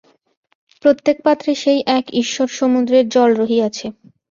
প্রত্যেক পাত্রে সেই এক ঈশ্বর-সমুদ্রের জল রহিয়াছে।